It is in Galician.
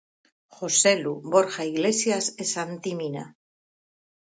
Joselu, Borja Iglesias e Santi Mina.